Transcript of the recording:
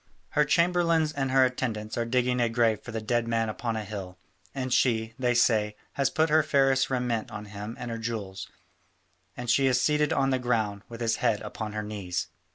Her chamberlains and her attendants are digging a grave for the dead man upon a hill, and she, they say, has put her fairest raiment on him and her jewels, and she is seated on the ground with his head upon her knees."